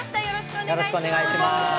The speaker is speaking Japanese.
よろしくお願いします。